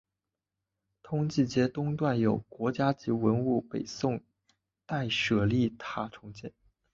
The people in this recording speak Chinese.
通济街东段有国家级文物北宋代舍利塔重建。